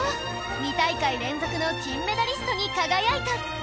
２大会連続の金メダリストに輝いた